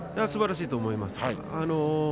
すばらしいと思います。